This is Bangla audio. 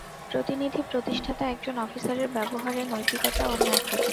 প্রতিনিধি প্রতিষ্ঠতা একজন অফিসারের ব্যাবহারে নৈতিকতা, অন্যায় খোজে।